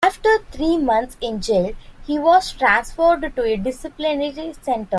After three months in jail he was transferred to a disciplinary centre.